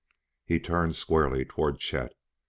He turned squarely toward Chet.